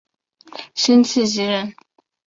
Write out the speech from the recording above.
辛弃疾人。